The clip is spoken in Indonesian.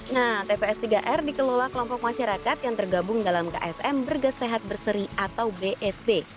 nah tps tiga r dikelola kelompok masyarakat yang tergabung dalam ksm bergas sehat berseri atau bsb